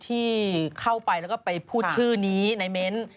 ที่เข้าไปแล้วก็ไปพูดชื่อนี้ในเม้นต์